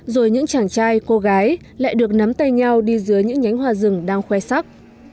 rồi những chàng trai cô gái lại được nắm tay nhau đi dưới những nhánh hoa rừng đang khoe sắc